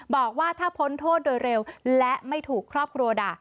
บอกว่าถ้าพ้นโทษโดยเร็วและไม่ถูกครอบครัวด่า